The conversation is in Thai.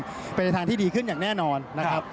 สามารถเปลี่ยนไปทางที่ดีขึ้นอย่างแน่นอนนะครับ